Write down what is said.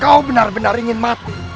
kau benar benar ingin mati